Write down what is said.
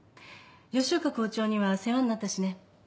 吉岡校長には世話になったしね。